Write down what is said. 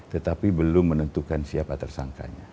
tetapi belum menentukan siapa tersangkanya